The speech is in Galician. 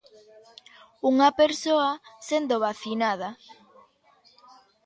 Unha persoa sendo vacinada.